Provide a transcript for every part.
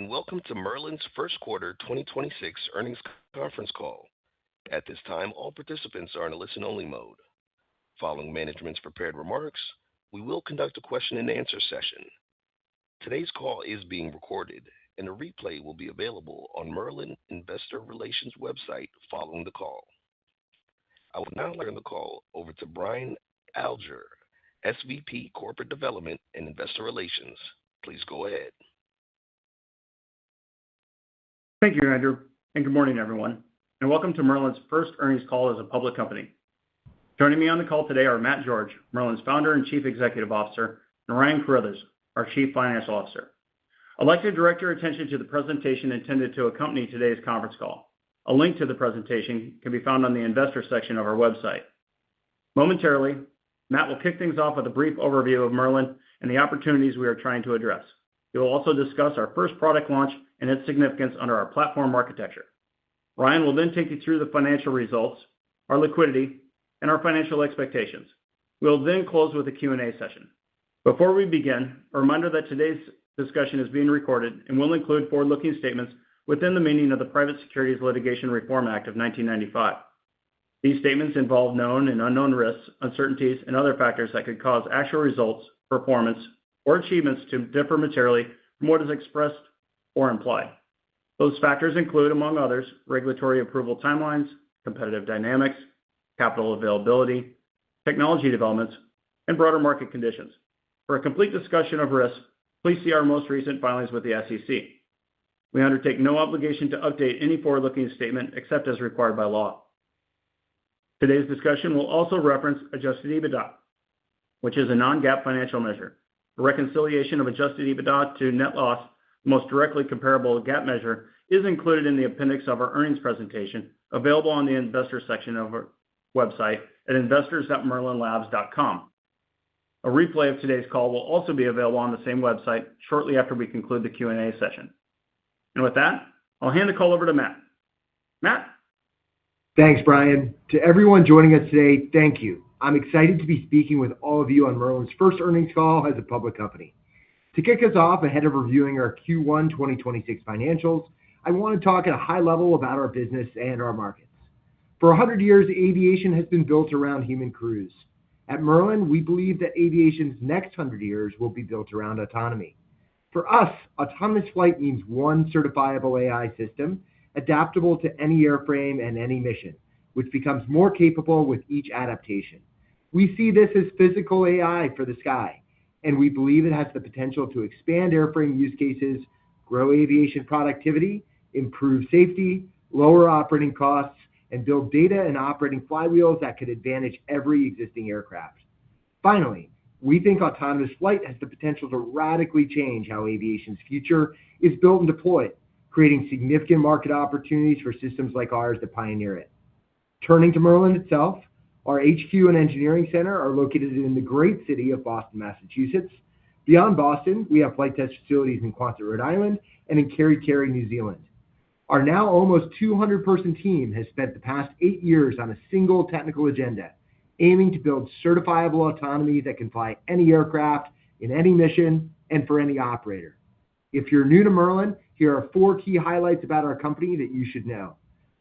Welcome to Merlin's first quarter 2026 earnings conference call. At this time, all participants are in a listen-only mode. Following management's prepared remarks, we will conduct a question and answer session. Today's call is being recorded, and a replay will be available on Merlin Investor Relations website following the call. I would now like to turn the call over to Brian Alger, SVP Corporate Development and Investor Relations. Please go ahead. Thank you, Andrew, and good morning, everyone, and welcome to Merlin's first earnings call as a public company. Joining me on the call today are Matt George, Merlin's Founder and Chief Executive Officer, and Ryan Carrithers, our Chief Financial Officer. I'd like to direct your attention to the presentation intended to accompany today's conference call. A link to the presentation can be found on the investor section of our website. Momentarily, Matt will kick things off with a brief overview of Merlin and the opportunities we are trying to address. He will also discuss our first product launch and its significance under our platform architecture. Ryan will then take you through the financial results, our liquidity, and our financial expectations. We'll then close with a Q&A session. Before we begin, a reminder that today's discussion is being recorded and will include forward-looking statements within the meaning of the Private Securities Litigation Reform Act of 1995. These statements involve known and unknown risks, uncertainties, and other factors that could cause actual results, performance, or achievements to differ materially from what is expressed or implied. Those factors include, among others, regulatory approval timelines, competitive dynamics, capital availability, technology developments, and broader market conditions. For a complete discussion of risks, please see our most recent filings with the SEC. We undertake no obligation to update any forward-looking statement except as required by law. Today's discussion will also reference adjusted EBITDA, which is a non-GAAP financial measure. The reconciliation of adjusted EBITDA to net loss, the most directly comparable GAAP measure, is included in the appendix of our earnings presentation available on the investor section of our website at investors.merlinlabs.com. A replay of today's call will also be available on the same website shortly after we conclude the Q&A session. With that, I'll hand the call over to Matt. Matt? Thanks, Brian. To everyone joining us today, thank you. I'm excited to be speaking with all of you on Merlin's first earnings call as a public company. To kick us off ahead of reviewing our Q1 2026 financials, I want to talk at a high level about our business and our markets. For 100 years, aviation has been built around human crews. At Merlin, we believe that aviation's next 100 years will be built around autonomy. For us, autonomous flight means one certifiable AI system adaptable to any airframe and any mission, which becomes more capable with each adaptation. We see this as physical AI for the sky, and we believe it has the potential to expand airframe use cases, grow aviation productivity, improve safety, lower operating costs, and build data and operating flywheels that could advantage every existing aircraft. Finally, we think autonomous flight has the potential to radically change how aviation's future is built and deployed, creating significant market opportunities for systems like ours to pioneer it. Turning to Merlin itself, our HQ and engineering center are located in the great city of Boston, Massachusetts. Beyond Boston, we have flight test facilities in Quonset, Rhode Island, and in Kerikeri, New Zealand. Our now almost 200-person team has spent the past eight years on a single technical agenda, aiming to build certifiable autonomy that can fly any aircraft in any mission and for any operator. If you're new to Merlin, here are four key highlights about our company that you should know.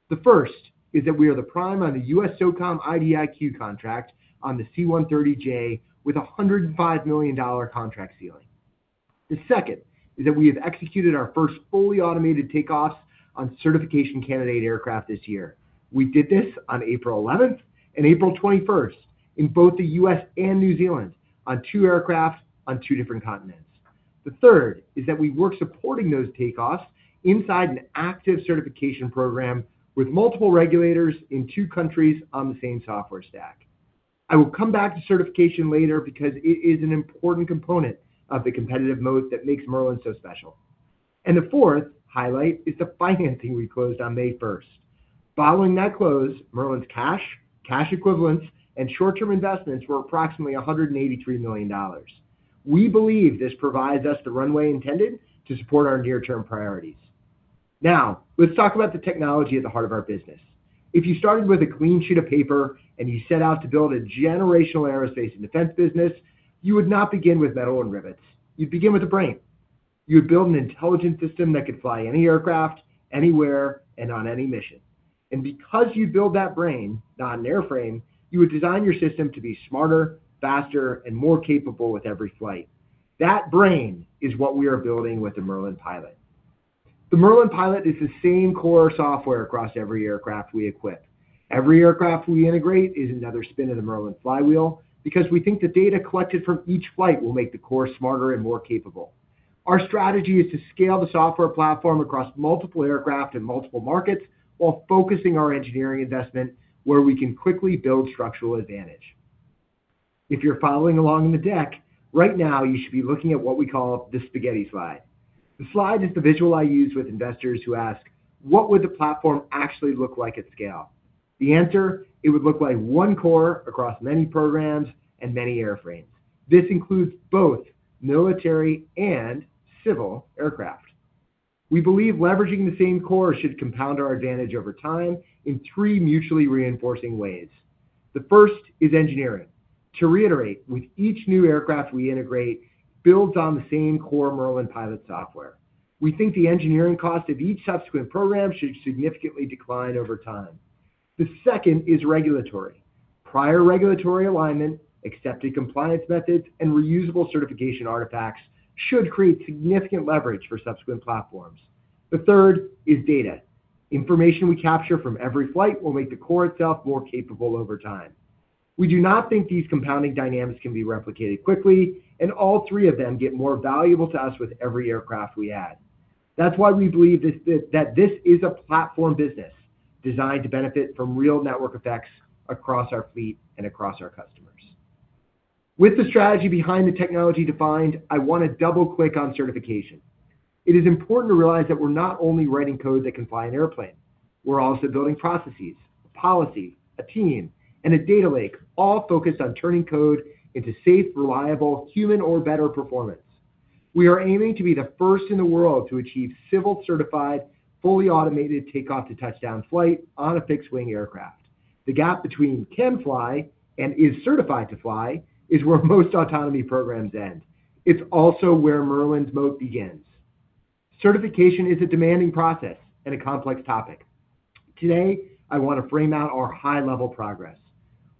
The first is that we are the prime on a U.S. SOCOM IDIQ contract on the C-130J with a $105 million contract ceiling. The second is that we have executed our first fully automated takeoffs on certification candidate aircraft this year. We did this on April 11th and April 21st in both the U.S. and New Zealand on two aircraft on two different continents. The third is that we work supporting those takeoffs inside an active certification program with multiple regulators in two countries on the same software stack. I will come back to certification later because it is an important component of the competitive mode that makes Merlin so special. The fourth highlight is the financing we closed on May 1st. Following that close, Merlin's cash equivalents, and short-term investments were approximately $183 million. We believe this provides us the runway intended to support our near-term priorities. Now, let's talk about the technology at the heart of our business. If you started with a clean sheet of paper and you set out to build a generational aerospace and defense business, you would not begin with metal and rivets. You'd begin with a brain. You would build an intelligent system that could fly any aircraft anywhere and on any mission. Because you build that brain, not an airframe, you would design your system to be smarter, faster, and more capable with every flight. That brain is what we are building with the Merlin Pilot. The Merlin Pilot is the same core software across every aircraft we equip. Every aircraft we integrate is another spin of the Merlin flywheel because we think the data collected from each flight will make the core smarter and more capable. Our strategy is to scale the software platform across multiple aircraft and multiple markets while focusing our engineering investment where we can quickly build structural advantage. If you're following along in the deck, right now you should be looking at what we call the spaghetti slide. The slide is the visual I use with investors who ask, "What would the platform actually look like at scale?" The answer: it would look like one core across many programs and many airframes. This includes both military and civil aircraft. We believe leveraging the same core should compound our advantage over time in three mutually reinforcing ways. The first is engineering. To reiterate, with each new aircraft we integrate builds on the same core Merlin Pilot software. We think the engineering cost of each subsequent program should significantly decline over time. The second is regulatory. Prior regulatory alignment, accepted compliance methods, and reusable certification artifacts should create significant leverage for subsequent platforms. The third is data. Information we capture from every flight will make the core itself more capable over time. We do not think these compounding dynamics can be replicated quickly, and all three of them get more valuable to us with every aircraft we add. That's why we believe that this is a platform business designed to benefit from real network effects across our fleet and across our customers. With the strategy behind the technology defined, I wanna double-click on certification. It is important to realize that we're not only writing code that can fly an airplane, we're also building processes, policy, a team, and a data lake all focused on turning code into safe, reliable, human or better performance. We are aiming to be the first in the world to achieve civil certified, fully automated takeoff to touchdown flight on a fixed-wing aircraft. The gap between can fly and is certified to fly is where most autonomy programs end. It's also where Merlin's moat begins. Certification is a demanding process and a complex topic. Today, I wanna frame out our high-level progress.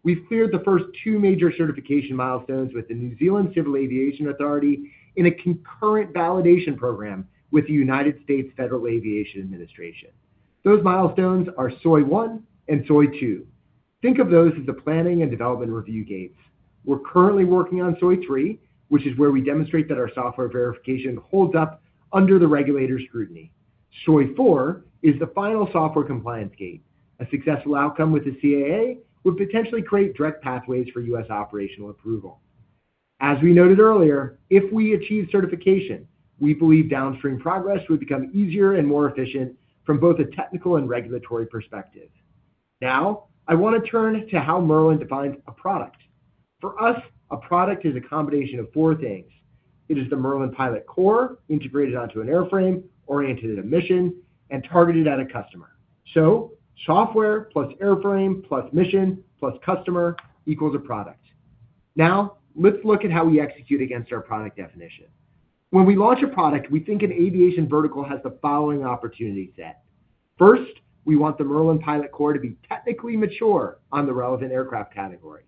We've cleared the first two major certification milestones with the New Zealand Civil Aviation Authority in a concurrent validation program with the United States Federal Aviation Administration. Those milestones are SOI 1 and SOI 2. Think of those as the planning and development review gates. We're currently working on SOI 3, which is where we demonstrate that our software verification holds up under the regulator scrutiny. SOI 4 is the final software compliance gate. A successful outcome with the CAA would potentially create direct pathways for U.S. operational approval. As we noted earlier, if we achieve certification, we believe downstream progress would become easier and more efficient from both a technical and regulatory perspective. Now, I wanna turn to how Merlin defines a product. For us, a product is a combination of four things. It is the Merlin Pilot core integrated onto an airframe, oriented at a mission, and targeted at a customer. Software plus airframe plus mission plus customer equals a product. Now, let's look at how we execute against our product definition. When we launch a product, we think an aviation vertical has the following opportunity set. First, we want the Merlin Pilot core to be technically mature on the relevant aircraft category.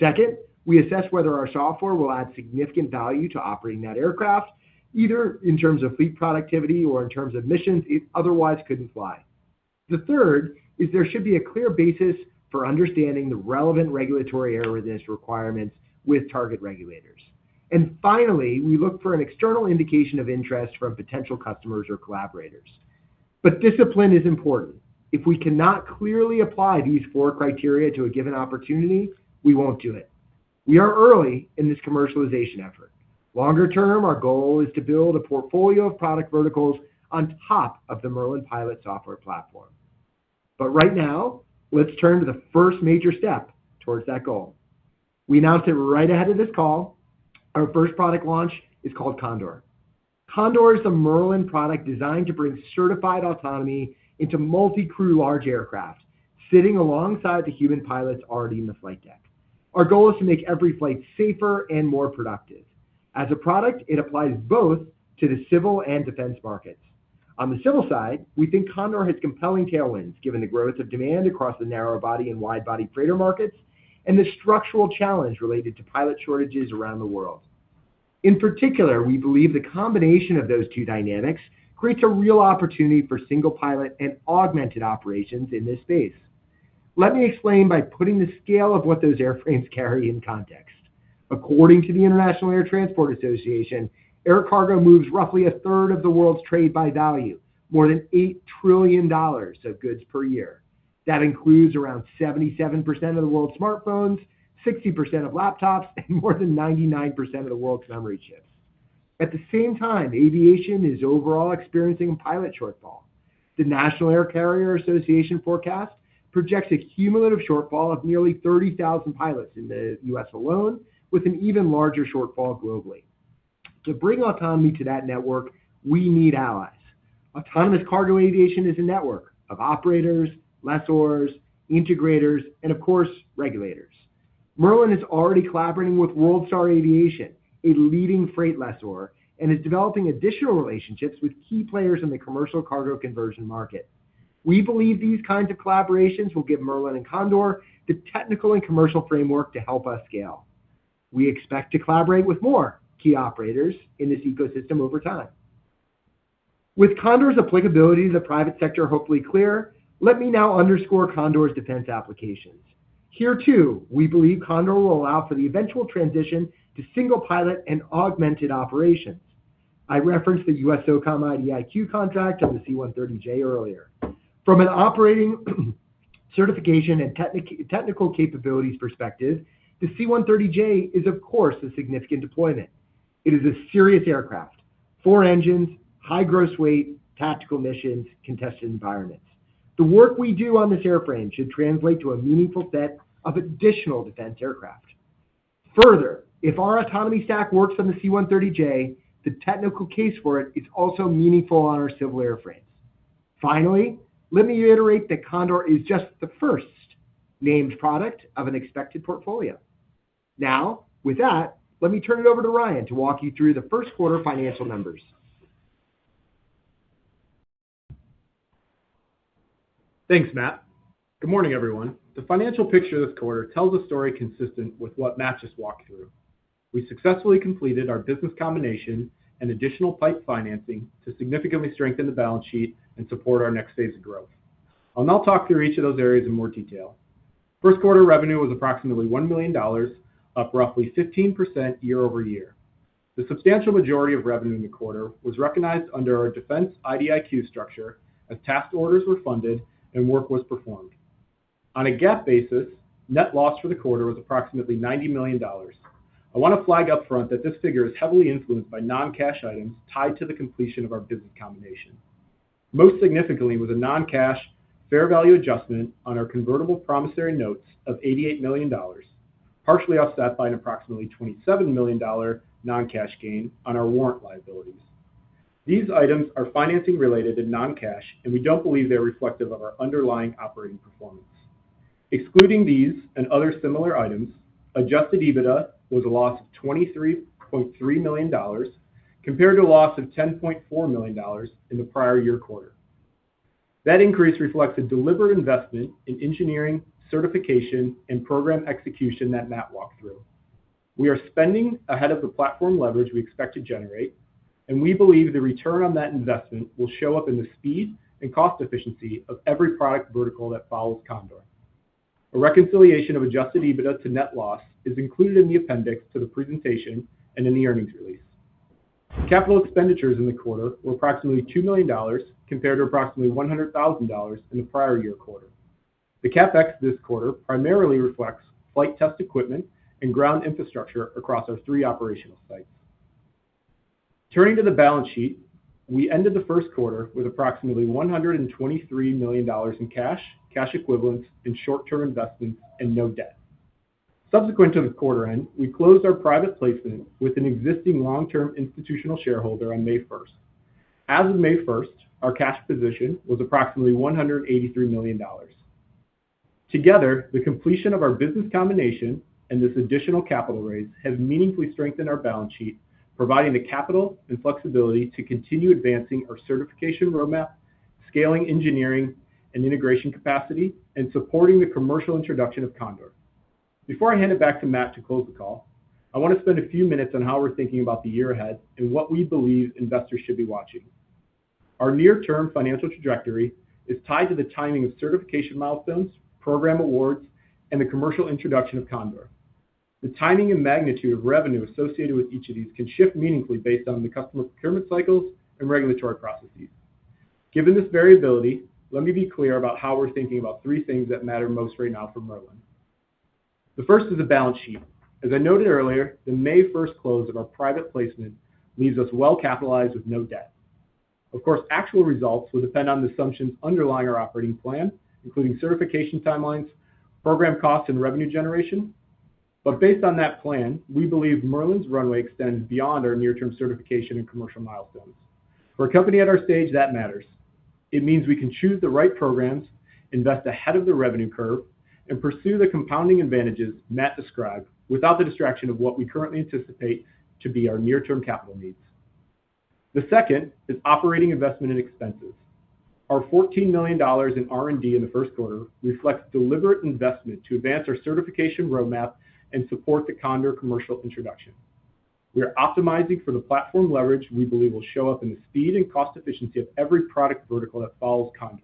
Second, we assess whether our software will add significant value to operating that aircraft, either in terms of fleet productivity or in terms of missions it otherwise couldn't fly. The third is there should be a clear basis for understanding the relevant regulatory airworthiness requirements with target regulators. Finally, we look for an external indication of interest from potential customers or collaborators. Discipline is important. If we cannot clearly apply these four criteria to a given opportunity, we won't do it. We are early in this commercialization effort. Longer term, our goal is to build a portfolio of product verticals on top of the Merlin Pilot software platform. Right now, let's turn to the first major step towards that goal. We announced it right ahead of this call. Our first product launch is called Condor. Condor is the Merlin product designed to bring certified autonomy into multi-crew large aircraft sitting alongside the human pilots already in the flight deck. Our goal is to make every flight safer and more productive. As a product, it applies both to the civil and defense markets. On the civil side, we think Condor has compelling tailwinds, given the growth of demand across the narrow body and wide body freighter markets and the structural challenge related to pilot shortages around the world. In particular, we believe the combination of those two dynamics creates a real opportunity for single pilot and augmented operations in this space. Let me explain by putting the scale of what those airframes carry in context. According to the International Air Transport Association, air cargo moves roughly 1/3 of the world's trade by value, more than $8 trillion of goods per year. That includes around 77% of the world's smartphones, 60% of laptops, and more than 99% of the world's memory chips. At the same time, aviation is overall experiencing pilot shortfall. The National Air Carrier Association forecast projects a cumulative shortfall of nearly 30,000 pilots in the U.S. alone, with an even larger shortfall globally. To bring autonomy to that network, we need allies. Autonomous cargo aviation is a network of operators, lessors, integrators, and of course, regulators. Merlin is already collaborating with World Star Aviation, a leading freight lessor, and is developing additional relationships with key players in the commercial cargo conversion market. We believe these kinds of collaborations will give Merlin and Condor the technical and commercial framework to help us scale. We expect to collaborate with more key operators in this ecosystem over time. With Condor's applicability to the private sector hopefully clear, let me now underscore Condor's defense applications. Here too, we believe Condor will allow for the eventual transition to single pilot and augmented operations. I referenced the USSOCOM IDIQ contract on the C-130J earlier. From an operating certification and technical capabilities perspective, the C-130J is of course a significant deployment. It is a serious aircraft, four engines, high gross weight, tactical missions, contested environments. The work we do on this airframe should translate to a meaningful set of additional defense aircraft. If our autonomy stack works on the C-130J, the technical case for it is also meaningful on our civil airframes. Finally, let me reiterate that Condor is just the first named product of an expected portfolio. With that, let me turn it over to Ryan to walk you through the first quarter financial numbers. Thanks, Matt. Good morning, everyone. The financial picture this quarter tells a story consistent with what Matt just walked through. We successfully completed our business combination and additional PIPE financing to significantly strengthen the balance sheet and support our next phase of growth. I'll now talk through each of those areas in more detail. First quarter revenue was approximately $1 million, up roughly 15% year-over-year. The substantial majority of revenue in the quarter was recognized under our defense IDIQ structure as task orders were funded and work was performed. On a GAAP basis, net loss for the quarter was approximately $90 million. I want to flag up front that this figure is heavily influenced by non-cash items tied to the completion of our business combination. Most significantly was a non-cash fair value adjustment on our convertible promissory notes of $88 million, partially offset by an approximately $27 million non-cash gain on our warrant liabilities. These items are financing-related and non-cash. We don't believe they're reflective of our underlying operating performance. Excluding these and other similar items, adjusted EBITDA was a loss of $23.3 million compared to a loss of $10.4 million in the prior year quarter. That increase reflects a deliberate investment in engineering, certification, and program execution that Matt walked through. We are spending ahead of the platform leverage we expect to generate. We believe the return on that investment will show up in the speed and cost efficiency of every product vertical that follows Condor. A reconciliation of adjusted EBITDA to net loss is included in the appendix to the presentation and in the earnings release. Capital expenditures in the quarter were approximately $2 million compared to approximately $100,000 in the prior year quarter. The CapEx this quarter primarily reflects flight test equipment and ground infrastructure across our three operational sites. Turning to the balance sheet, we ended the 1st quarter with approximately $123 million in cash equivalents, and short-term investments and no debt. Subsequent to the quarter end, we closed our private placement with an existing long-term institutional shareholder on May 1st. As of May 1st, our cash position was approximately $183 million. Together, the completion of our business combination and this additional capital raise has meaningfully strengthened our balance sheet, providing the capital and flexibility to continue advancing our certification roadmap, scaling engineering and integration capacity, and supporting the commercial introduction of Condor. Before I hand it back to Matt to close the call, I want to spend a few minutes on how we're thinking about the year ahead and what we believe investors should be watching. Our near-term financial trajectory is tied to the timing of certification milestones, program awards, and the commercial introduction of Condor. The timing and magnitude of revenue associated with each of these can shift meaningfully based on the customer procurement cycles and regulatory processes. Given this variability, let me be clear about how we're thinking about three things that matter most right now for Merlin. The first is the balance sheet. As I noted earlier, the May 1st close of our private placement leaves us well-capitalized with no debt. Of course, actual results will depend on the assumptions underlying our operating plan, including certification timelines, program costs, and revenue generation. Based on that plan, we believe Merlin's runway extends beyond our near-term certification and commercial milestones. For a company at our stage, that matters. It means we can choose the right programs, invest ahead of the revenue curve, and pursue the compounding advantages Matt described without the distraction of what we currently anticipate to be our near-term capital needs. The second is operating investment and expenses. Our $14 million in R&D in the first quarter reflects deliberate investment to advance our certification roadmap and support the Condor commercial introduction. We are optimizing for the platform leverage we believe will show up in the speed and cost efficiency of every product vertical that follows Condor.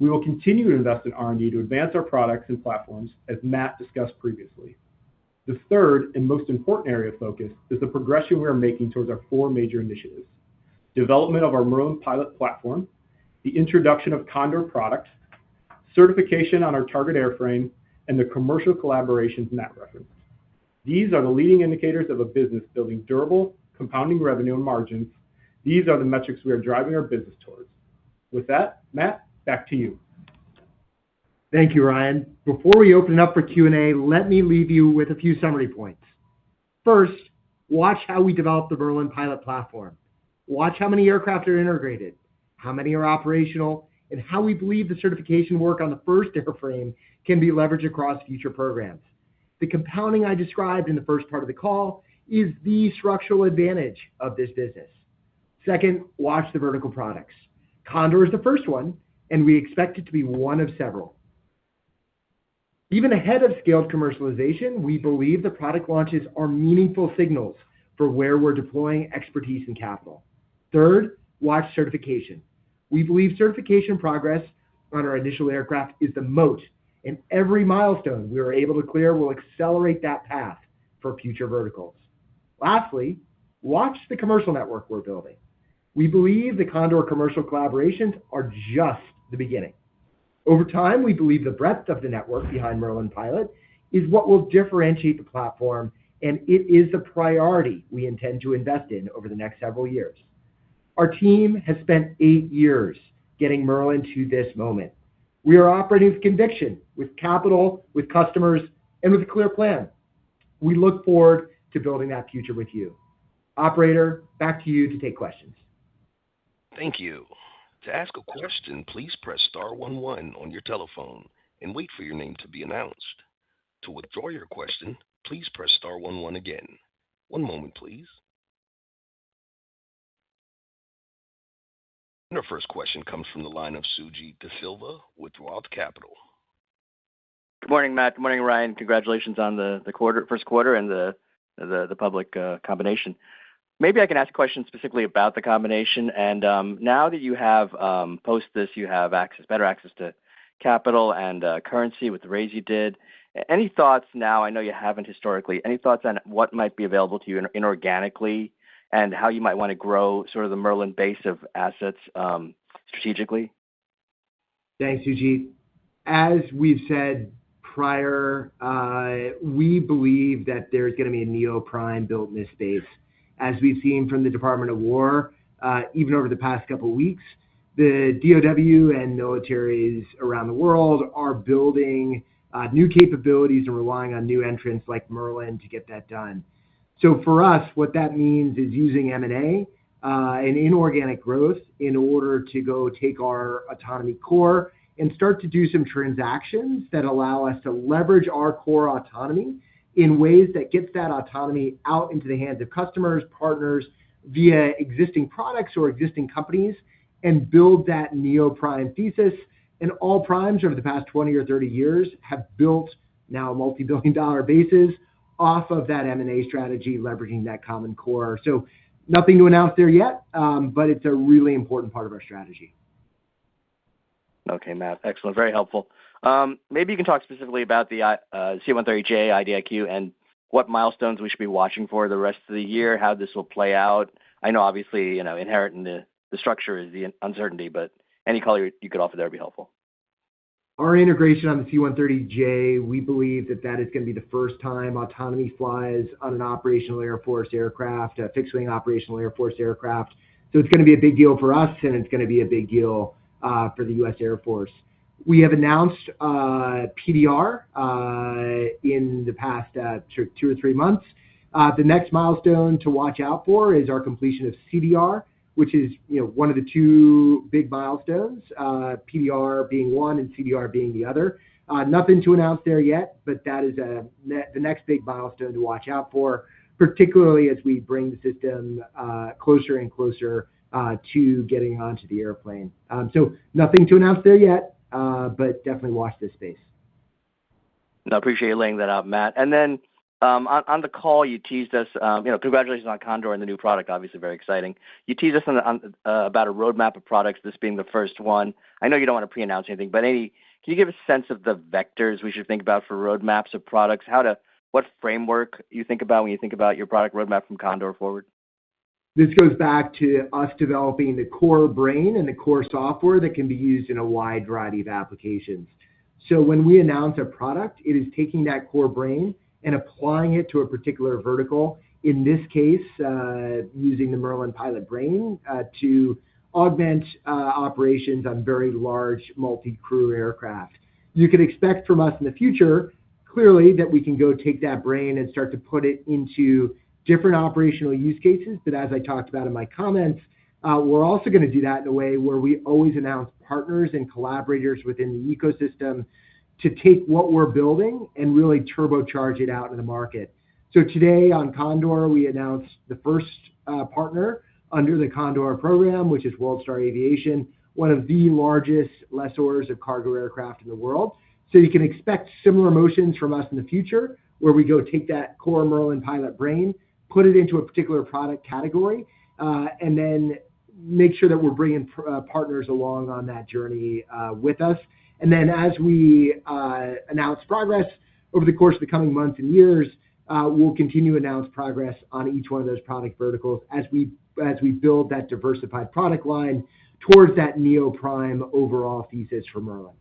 We will continue to invest in R&D to advance our products and platforms, as Matt discussed previously. The third and most important area of focus is the progression we are making towards our four major initiatives, development of our Merlin Pilot platform, the introduction of Condor products, certification on our target airframe, and the commercial collaborations Matt referenced. These are the leading indicators of a business building durable, compounding revenue and margins. These are the metrics we are driving our business towards. With that, Matt, back to you. Thank you, Ryan. Before we open it up for Q&A, let me leave you with a few summary points. First, watch how we develop the Merlin Pilot platform. Watch how many aircraft are integrated, how many are operational, and how we believe the certification work on the first airframe can be leveraged across future programs. The compounding I described in the first part of the call is the structural advantage of this business. Second, watch the vertical products. Condor is the first one, and we expect it to be one of several. Even ahead of scaled commercialization, we believe the product launches are meaningful signals for where we're deploying expertise and capital. Third, watch certification. We believe certification progress on our initial aircraft is the moat, and every milestone we are able to clear will accelerate that path for future verticals. Lastly, watch the commercial network we're building. We believe the Condor commercial collaborations are just the beginning. Over time, we believe the breadth of the network behind Merlin Pilot is what will differentiate the platform, and it is a priority we intend to invest in over the next several years. Our team has spent eight years getting Merlin to this moment. We are operating with conviction, with capital, with customers, and with a clear plan. We look forward to building that future with you. Operator, back to you to take questions. Thank you. To ask a question, please press star one one on your telephone and wait for your name to be announced. To withdraw your question, please press star one one again. One moment, please. Our first question comes from the line of Suji Desilva with ROTH Capital. Good morning, Matt. Good morning, Ryan. Congratulations on the first quarter and the public combination. Maybe I can ask a question specifically about the combination and now that you have post this, you have better access to capital and currency with the raise you did. Any thoughts now, I know you haven't historically, any thoughts on what might be available to you inorganically and how you might wanna grow sort of the Merlin base of assets strategically? Thanks, Suji. As we've said prior, we believe that there's gonna be a neo-prime built in this space. As we've seen from the Department of Defense, even over the past couple weeks, the DOD and militaries around the world are building new capabilities and relying on new entrants like Merlin to get that done. For us, what that means is using M&A and inorganic growth in order to go take our autonomy core and start to do some transactions that allow us to leverage our core autonomy in ways that gets that autonomy out into the hands of customers, partners, via existing products or existing companies and build that neo-prime thesis. All primes over the past 20 or 30 years have built now multi-billion dollar bases off of that M&A strategy, leveraging that common core. Nothing to announce there yet, but it's a really important part of our strategy. Okay, Matt. Excellent. Very helpful. Maybe you can talk specifically about the C-130J IDIQ and what milestones we should be watching for the rest of the year, how this will play out. I know obviously, you know, inherent in the structure is the uncertainty, but any color you could offer there would be helpful. Our integration on the C-130J, we believe that that is gonna be the first time autonomy flies on an operational Air Force aircraft, a fixed wing operational Air Force aircraft. It's gonna be a big deal for us, and it's gonna be a big deal for the U.S. Air Force. We have announced PDR in the past two or three months. The next milestone to watch out for is our completion of CDR, which is, you know, one of the two big milestones, PDR being one and CDR being the other. Nothing to announce there yet, that is the next big milestone to watch out for, particularly as we bring the system closer and closer to getting onto the airplane. Nothing to announce there yet, definitely watch this space. Appreciate you laying that out, Matt. On the call, you teased us, you know, congratulations on Condor and the new product, obviously very exciting. You teased us on about a roadmap of products, this being the first one. I know you don't wanna pre-announce anything, can you give a sense of the vectors we should think about for roadmaps of products? What framework you think about when you think about your product roadmap from Condor forward? This goes back to us developing the core brain and the core software that can be used in a wide variety of applications. When we announce a product, it is taking that core brain and applying it to a particular vertical. In this case, using the Merlin Pilot brain, to augment operations on very large multi-crew aircraft. You could expect from us in the future, clearly, that we can go take that brain and start to put it into different operational use cases, but as I talked about in my comments, we're also gonna do that in a way where we always announce partners and collaborators within the ecosystem to take what we're building and really turbocharge it out in the market. Today on Condor, we announced the first partner under the Condor program, which is World Star Aviation, one of the largest lessors of cargo aircraft in the world. You can expect similar motions from us in the future, where we go take that core Merlin Pilot brain, put it into a particular product category, and then make sure that we're bringing partners along on that journey with us. As we announce progress over the course of the coming months and years, we'll continue to announce progress on each one of those product verticals as we build that diversified product line towards that neo-prime overall thesis for Merlin.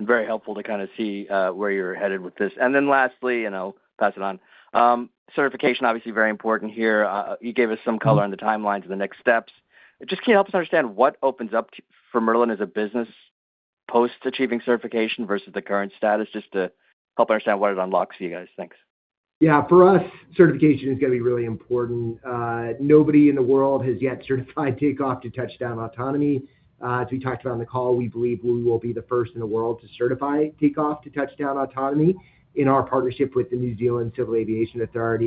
Very helpful to kind of see, where you're headed with this. Then lastly, and I'll pass it on, certification obviously very important here. You gave us some color on the timelines and the next steps. Can you help us understand what opens up for Merlin as a business post achieving certification versus the current status, just to help understand what it unlocks for you guys? Thanks. Yeah. For us, certification is going to be really important. Nobody in the world has yet certified takeoff to touchdown autonomy. As we talked about on the call, we believe we will be the first in the world to certify takeoff to touchdown autonomy in our partnership with the Civil Aviation Authority of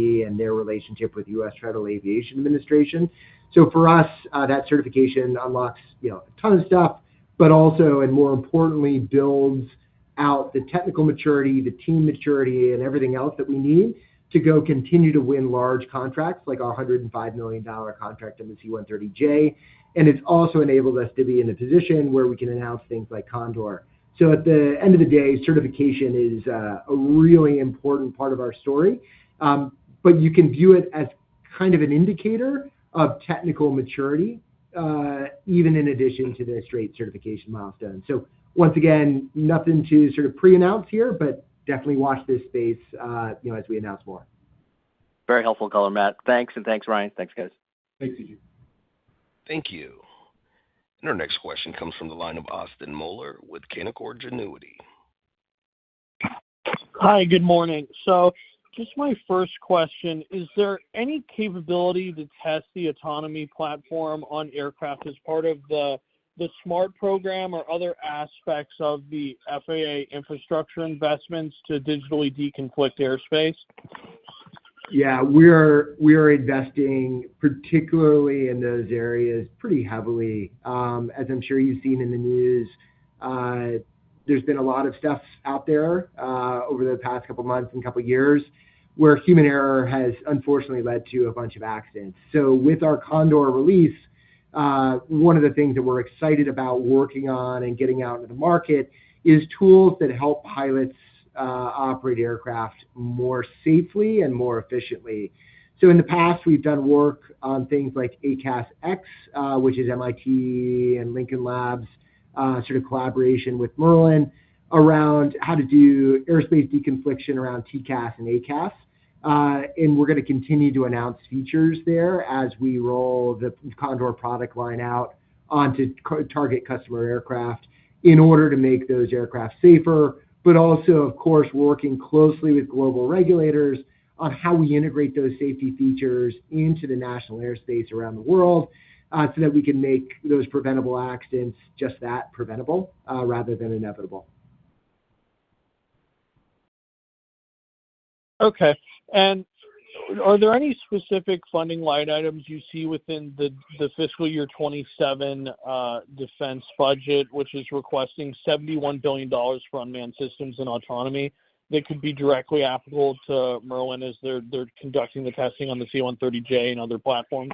New Zealand and their relationship with U.S. Federal Aviation Administration. For us, that certification unlocks, you know, a ton of stuff, but also, and more importantly, builds out the technical maturity, the team maturity, and everything else that we need to go continue to win large contracts, like our $105 million contract on the C-130J. It's also enabled us to be in a position where we can announce things like Condor. At the end of the day, certification is a really important part of our story. You can view it as kind of an indicator of technical maturity, even in addition to the straight certification milestone. Once again, nothing to sort of pre-announce here, but definitely watch this space, as we announce more. Very helpful color, Matt. Thanks, and thanks, Ryan. Thanks, guys. Thank you. Thank you. Our next question comes from the line of Austin Moeller with Canaccord Genuity. Hi, good morning. Just my first question, is there any capability to test the autonomy platform on aircraft as part of the SMART program or other aspects of the FAA infrastructure investments to digitally deconflict airspace? Yeah. We are investing particularly in those areas pretty heavily. As I'm sure you've seen in the news, there's been a lot of stuff out there, over the past couple months and couple years where human error has unfortunately led to a bunch of accidents. With our Condor release, one of the things that we're excited about working on and getting out into the market is tools that help pilots operate aircraft more safely and more efficiently. In the past, we've done work on things like ACAS X, which is MIT and Lincoln Labs, sort of collaboration with Merlin around how to do airspace deconfliction around TCAS and ACAS. We're gonna continue to announce features there as we roll the Condor product line out onto target customer aircraft in order to make those aircraft safer. Also, of course, we're working closely with global regulators on how we integrate those safety features into the national airspaces around the world, so that we can make those preventable accidents just that, preventable, rather than inevitable. Okay. Are there any specific funding line items you see within the fiscal year 2027 defense budget, which is requesting $71 billion for unmanned systems and autonomy that could be directly applicable to Merlin as they're conducting the testing on the C-130J and other platforms?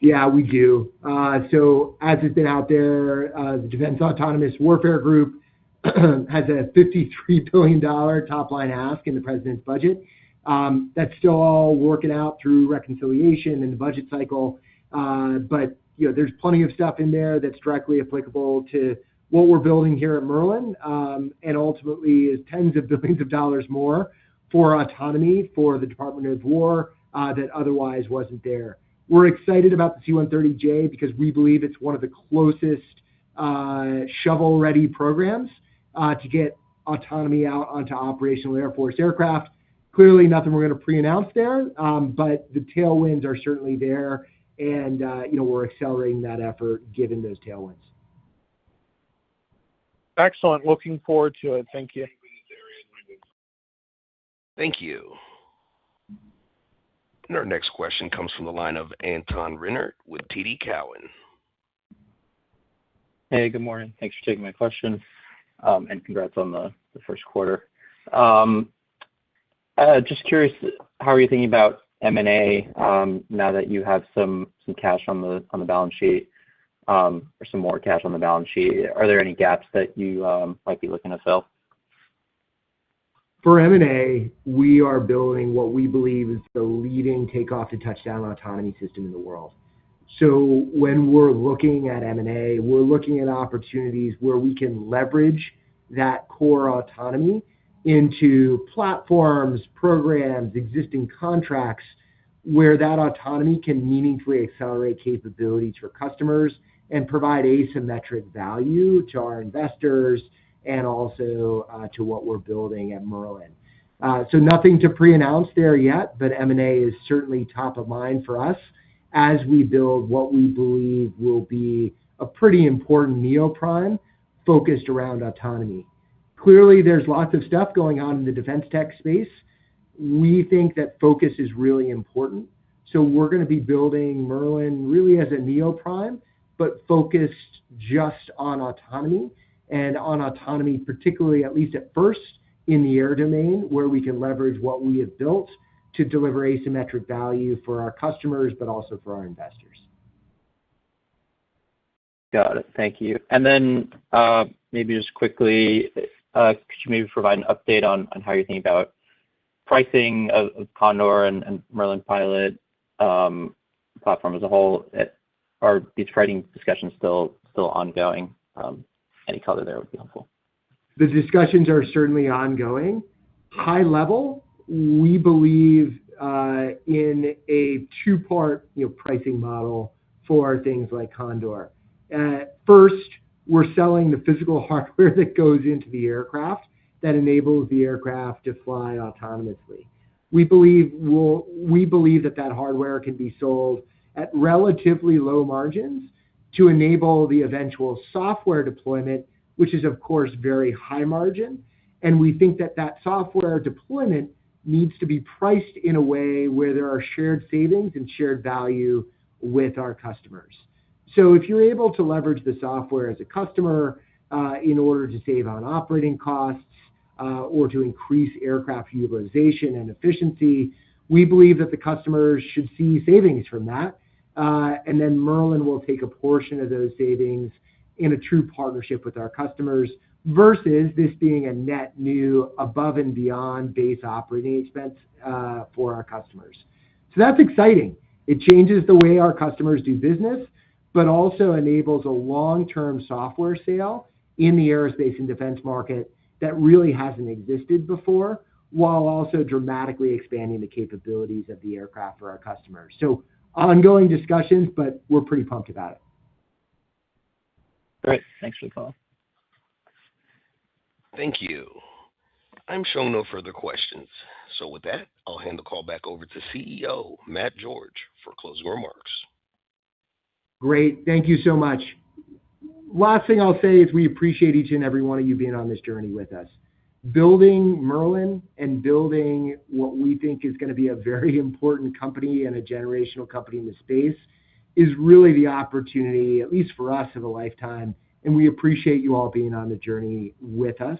Yeah, we do. As it's been out there, the Defense Autonomous Warfare Group has a $53 billion top-line ask in the president's budget. That's still all working out through reconciliation and the budget cycle. You know, there's plenty of stuff in there that's directly applicable to what we're building here at Merlin, and ultimately is tens of billions of dollars more for autonomy for the Department of Defense that otherwise wasn't there. We're excited about the C-130J because we believe it's one of the closest, shovel-ready programs to get autonomy out onto operational Air Force aircraft. Clearly nothing we're gonna pre-announce there, the tailwinds are certainly there and, you know, we're accelerating that effort given those tailwinds. Excellent. Looking forward to it. Thank you. Thank you. Our next question comes from the line of Anton Renner with TD Cowen. Hey, good morning. Thanks for taking my question. Congrats on the first quarter. Just curious, how are you thinking about M&A now that you have some cash on the balance sheet, or some more cash on the balance sheet? Are there any gaps that you might be looking to fill? For M&A, we are building what we believe is the leading takeoff to touchdown autonomy system in the world. When we're looking at M&A, we're looking at opportunities where we can leverage that core autonomy into platforms, programs, existing contracts where that autonomy can meaningfully accelerate capability to our customers and provide asymmetric value to our investors and also to what we're building at Merlin. Nothing to pre-announce there yet, but M&A is certainly top of mind for us as we build what we believe will be a pretty important neo-prime focused around autonomy. Clearly, there's lots of stuff going on in the defense tech space. We think that focus is really important. We're going to be building Merlin really as a neo-prime, but focused just on autonomy and on autonomy, particularly at least at first, in the air domain, where we can leverage what we have built to deliver asymmetric value for our customers, but also for our investors. Got it. Thank you. Then, maybe just quickly, could you maybe provide an update on how you're thinking about pricing of Condor and Merlin Pilot platform as a whole? Are these pricing discussions still ongoing? Any color there would be helpful. The discussions are certainly ongoing. High level, we believe, in a two-part, you know, pricing model for things like Condor. First, we're selling the physical hardware that goes into the aircraft that enables the aircraft to fly autonomously. We believe that that hardware can be sold at relatively low margins to enable the eventual software deployment, which is, of course, very high margin, and we think that that software deployment needs to be priced in a way where there are shared savings and shared value with our customers. If you're able to leverage the software as a customer, in order to save on operating costs, or to increase aircraft utilization and efficiency, we believe that the customers should see savings from that. Merlin will take a portion of those savings in a true partnership with our customers versus this being a net new above and beyond base operating expense for our customers. That's exciting. It changes the way our customers do business, but also enables a long-term software sale in the aerospace and defense market that really hasn't existed before, while also dramatically expanding the capabilities of the aircraft for our customers. Ongoing discussions, but we're pretty pumped about it. Great. Thanks for the call. Thank you. I'm shown no further questions. With that, I'll hand the call back over to CEO, Matt George, for closing remarks. Great. Thank you so much. Last thing I'll say is we appreciate each and every one of you being on this journey with us. Building Merlin and building what we think is gonna be a very important company and a generational company in the space is really the opportunity, at least for us, of a lifetime, and we appreciate you all being on the journey with us.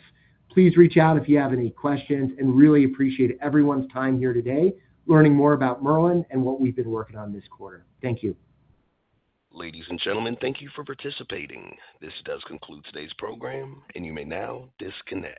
Please reach out if you have any questions, and really appreciate everyone's time here today learning more about Merlin and what we've been working on this quarter. Thank you. Ladies and gentlemen, thank you for participating. This does conclude today's program, and you may now disconnect.